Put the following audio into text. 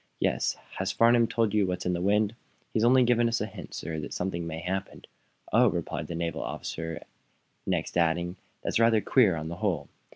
"Yes. Has Farnum told you what's in the wind?" "He has only given us a hint, sir, that something may happen." "Oh!" replied the naval officer, next adding: "That's rather queer on the whole."